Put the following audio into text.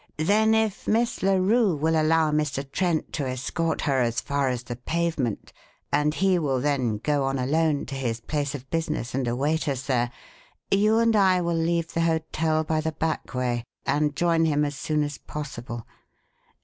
Then if Miss Larue will allow Mr. Trent to escort her as far as the pavement, and he will then go on alone to his place of business and await us there, you and I will leave the hotel by the back way and join him as soon as possible.